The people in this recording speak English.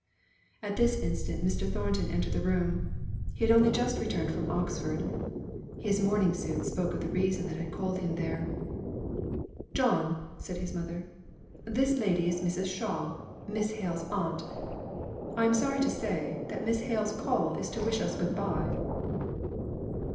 At this instant Mr. Thornton entered the room; he had only just returned from Oxford. His mourning suit spoke of the reason that had called him there. "John," said his mother, "this lady is Mrs. Shaw, Miss Hale's aunt. I am sorry to say, that Miss Hale's call is to wish us good bye."